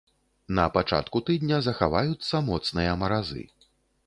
На пачатку тыдня захаваюцца моцныя маразы.